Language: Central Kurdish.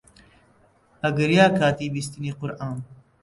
ئەگریا کاتی بیستنی قورئان